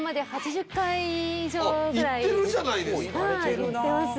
行ってます。